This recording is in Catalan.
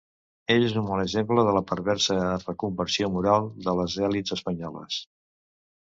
Ell és un bon exemple de la perversa reconversió moral de les elits espanyoles.